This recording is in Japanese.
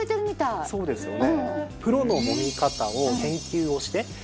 普段そうですよね。